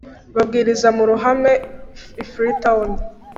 Babwiriza mu ruhame i freetown